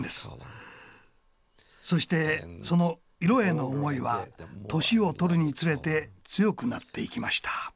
そしてその色への思いは年をとるにつれて強くなっていきました。